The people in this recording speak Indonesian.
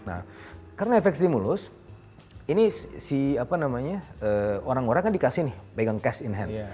nah karena efek stimulus ini si apa namanya orang orang kan dikasih nih pegang cash in hand